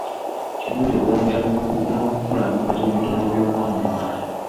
Kirungi okwongera ku bukugu n'okukulaakulanya ebitone by'omwana omuwala.